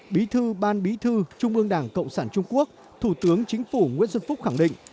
bí thư ban bí thư trung ương đảng cộng sản trung quốc thủ tướng chính phủ nguyễn xuân phúc khẳng định